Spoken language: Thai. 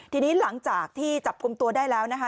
ทีนี้หลังจากที่จับกลุ่มตัวได้แล้วนะคะ